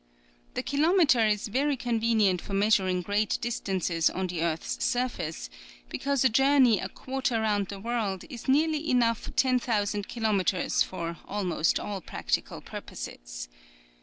The kilometre is very convenient for meas uring great distances on the earth's surface, because a journey a quarter round the world is nearly enough 10,000 kilometres for al most all practical purposes.